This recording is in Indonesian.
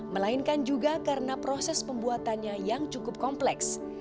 melainkan juga karena proses pembuatannya yang cukup kompleks